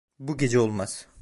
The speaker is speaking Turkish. Bu gece olmaz.